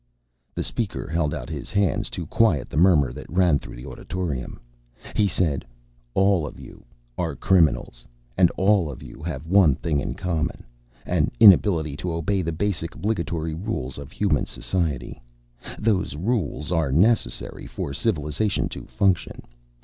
The speaker held out his hands to quiet the murmur that ran through the auditorium. He said, "All of you are criminals. And all of you have one thing in common: an inability to obey the basic obligatory rules of human society. Those rules are necessary for civilization to function.